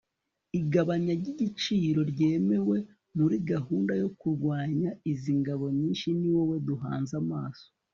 Igabanya ry igiciro ryemewe muri gahunda yo kurwanya izi ngabo nyinshi Ni wowe duhanze amaso